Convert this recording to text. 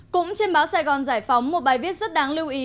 cũng trên báo sài gòn giải phóng một bài viết rất đáng lưu ý